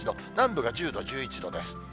南部が１０度、１１度です。